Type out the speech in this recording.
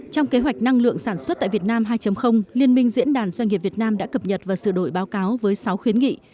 trong kế hoạch năng lượng sản xuất tại việt nam hai liên minh diễn đàn doanh nghiệp việt nam đã cập nhật và sửa đổi báo cáo với sáu khuyến nghị